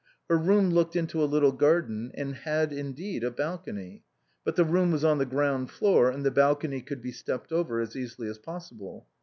Her room looked into a little garden, and had indeed a balcony. But the room was on the ground floor, and the balcony could be stepped over as easily as possible.